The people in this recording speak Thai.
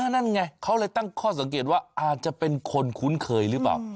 นั่นไงเขาเลยตั้งข้อสังเกตว่าอาจจะเป็นคนคุ้นเคยหรือเปล่า